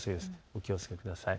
お気をつけください。